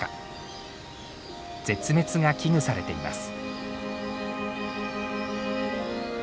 絶滅が危惧されています。